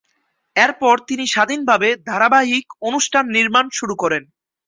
এরপর তিনি স্বাধীনভাবে ধারাবাহিক অনুষ্ঠান নির্মাণ শুরু করেন।